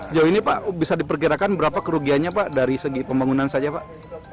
sejauh ini pak bisa diperkirakan berapa kerugiannya pak dari segi pembangunan saja pak